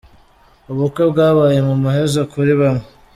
Ubukwe bwabaye mu muhezo kuri bamwe....